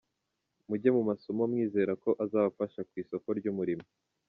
Mujye mu masomo mwizera ko azabafasha ku isoko ry’umurimo.